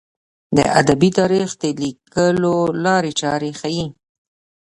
د ادبي تاریخ د لیکلو لارې چارې ښيي.